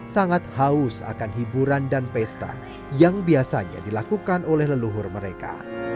sangat haus akan hiburan dan pesta yang biasanya dilakukan oleh leluhur mereka